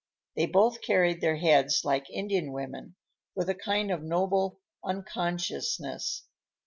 They both carried their heads like Indian women, with a kind of noble unconsciousness.